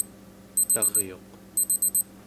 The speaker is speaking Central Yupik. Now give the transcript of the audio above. taryuq